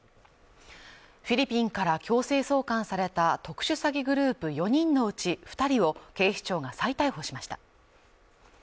フィリピンから強制送還された特殊詐欺グループ４人のうち２人を警視庁が再逮捕しました。